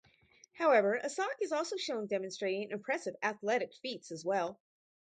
However, Asok is also shown demonstrating impressive athletic feats as well.